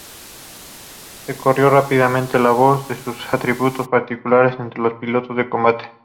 Se corrió rápidamente la voz de sus atributos particulares entre los pilotos de combate.